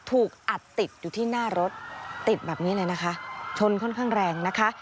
ถูกอัดติดอยู่ที่หน้ารถติดแบบนี้เลยนะคะชนค่อนข้างแรงนะคะ